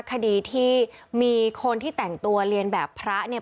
คดีที่มีคนที่แต่งตัวเรียนแบบพระเนี่ย